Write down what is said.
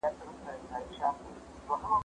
کېدای سي زه منډه ووهم